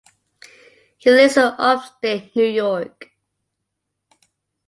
He lives in upstate New York.